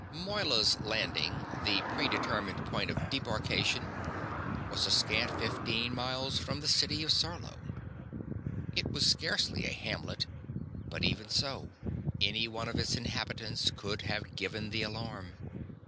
Moyla's Landing, the predetermined point of debarkation, was a scant fifteen miles from the city of Sarlo. It was scarcely a hamlet, but even so any one of its few inhabitants could have given the alarm.